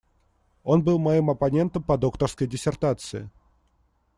Он был моим оппонентом по докторской диссертации.